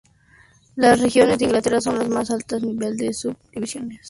Las regiones de Inglaterra son el más alto nivel de las Subdivisiones de Inglaterra.